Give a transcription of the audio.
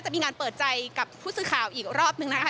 มีการเปิดใจกับผู้สื่อข่าวอีกรอบนึงนะคะ